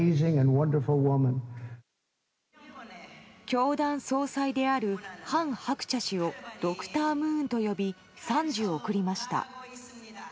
教団総裁である韓鶴子氏をドクタームーンと呼び賛辞を贈りました。